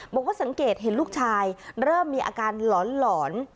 บอกว่าสังเกตเห็นลูกชายเริ่มมีอาการหลอน